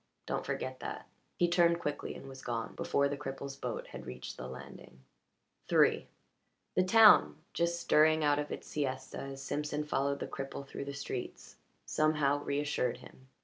Don't forget that." He turned quickly and was gone before the cripple's boat had reached the landing. III The town, just stirring out of its siesta as Simpson followed the cripple through the streets, somehow reassured him.